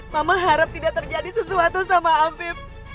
mama harap tidak terjadi sesuatu sama apip